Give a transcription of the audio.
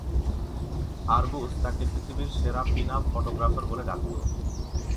আরবুস তাকে পৃথিবীর সেরা পিনআপ ফটোগ্রাফার বলে ডাকতো।